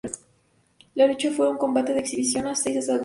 La lucha fue un combate de exhibición a seis asaltos.